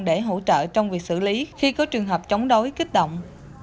để hỗ trợ trong việc xử lý khi có trường hợp chống đối kích động